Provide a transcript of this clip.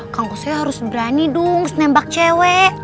kang kusoy harus berani dong nembak cewek